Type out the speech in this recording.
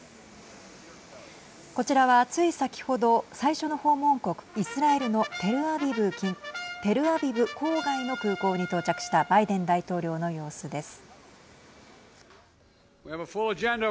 こちらは、つい先ほど最初の訪問国、イスラエルのテルアビブ郊外の空港に到着したバイデン大統領の様子です。